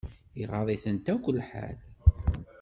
Iɣaḍ-itent akk lḥal.